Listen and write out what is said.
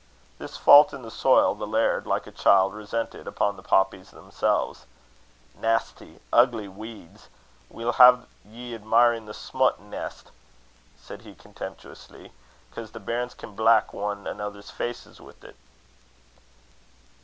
This fault in the soil, the laird, like a child, resented upon the poppies themselves. "Nasty, ugly weyds! We'll hae ye admirin' the smut neist," said he, contemptuously; "'cause the bairns can bleck ane anither's faces wi't."